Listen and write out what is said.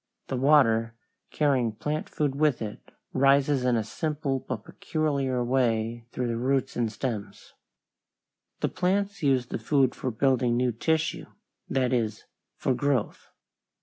The water, carrying plant food with it, rises in a simple but peculiar way through the roots and stems. The plants use the food for building new tissue, that is, for growth.